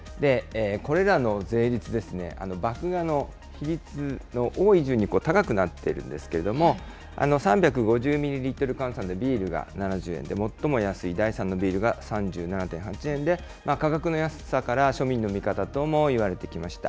これらの税率ですね、麦芽の比率の多い順に高くなっているんですけれども、３５０ミリリットル換算でビールが７０円で、最も安い第３のビールが３７．８円で、価格の安さから庶民の味方ともいわれてきました。